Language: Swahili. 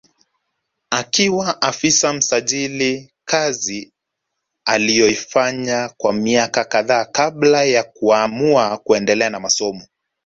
Akiwa afisa masijali kazi aliyoifanya kwa miaka kadhaa kabla ya kuamua kuendelea na masomo